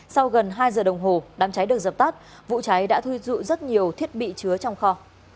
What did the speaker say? sau gần hai giờ đồng hồ đám cháy được dập tắt vụ cháy đã thu dụ rất nhiều thiết bị chứa trong kho